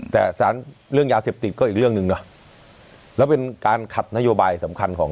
แต่สารเรื่องยาเสพติดก็อีกเรื่องหนึ่งนะแล้วเป็นการขัดนโยบายสำคัญของ